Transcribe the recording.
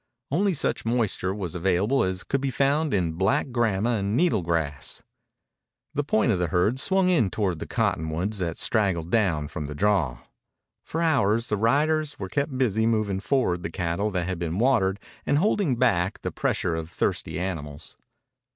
Only such moisture was available as could be found in black grama and needle grass. The point of the herd swung in toward the cottonwoods that straggled down from the draw. For hours the riders were kept busy moving forward the cattle that had been watered and holding back the pressure of thirsty animals.